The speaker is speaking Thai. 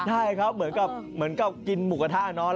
ได้ครับเหมือนกับกินหมูก็ท่าน้อย